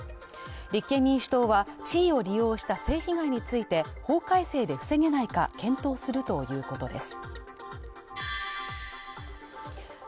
立憲民主党は、地位を利用した性被害について、法改正で防げないか検討するということです